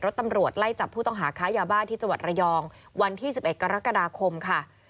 ตำรวจไล่จับผู้ต้องหาค้ายาบ้าที่จังหวัดระยองวันที่๑๑กรกฎาคมค่ะ